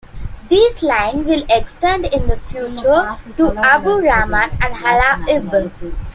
This line will extend in the future to Abu Ramad and Hala'ib.